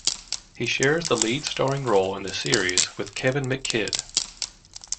He shares the lead starring role in the series with Kevin McKidd.